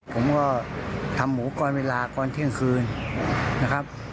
ผมก็ทำหมูก่อนเวลาก่อนเที่ยงคืนนะครับ